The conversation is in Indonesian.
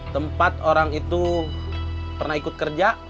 tempat orang itu pernah ikut kerja